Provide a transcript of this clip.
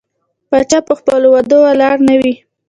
پاچا په خپل وعدو ولاړ نه وي.